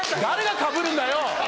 誰がかぶるんだよ！